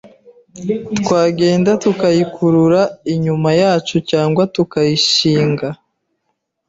Twagenda tukayikurura inyuma yacu cyangwa tukayishinga